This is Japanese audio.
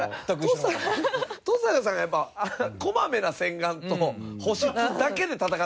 登坂さんがやっぱこまめな洗顔と保湿だけで戦ってたから。